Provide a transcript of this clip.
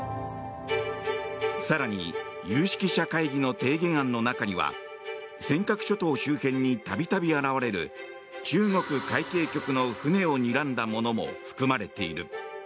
更に有識者会議の提言案の中には尖閣諸島周辺に度々現れる中国海警局の船をにらんだものも含まれている。